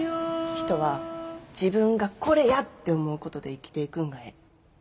人は自分が「これや！」って思うことで生きていくんがええ。